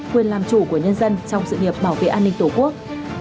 quyền làm chủ của nhân dân trong sự nghiệp bảo vệ an ninh tổ quốc